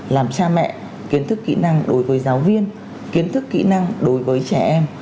làm cha mẹ kiến thức kỹ năng đối với giáo viên kiến thức kỹ năng đối với trẻ em